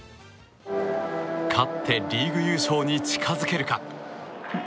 勝ってリーグ優勝に近づけるか。